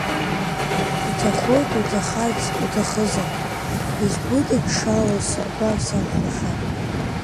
Уҭахоит уҭахарц уҭахызар, исгәыдыҽҽало сымбар сархәашап.